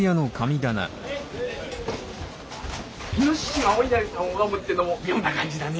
猪がお稲荷さん拝むってのも妙な感じだね。